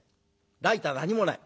ライター何もない。